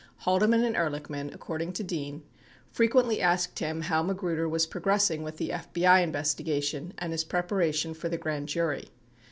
Haldeman and Ehrlichman, according to Dean, frequently asked him how Magruder was progressing with the FBI investigation and his preparation for the grand jury.